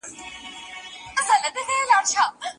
نړیوال سازمانونه د بشري ټولني د پرمختګ لپاره کار کوي.